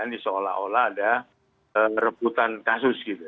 ini seolah olah ada rebutan kasus gitu